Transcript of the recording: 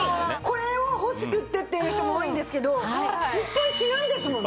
これを欲しくってっていう人も多いんですけど失敗しないですもんね？